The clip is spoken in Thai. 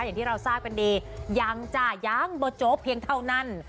อย่างที่เราทราบกันดียังจ้ะยังเบอร์โจ๊เพียงเท่านั้น